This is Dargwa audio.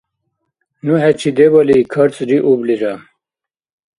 Ну хӀечи дебали карцӀриублира!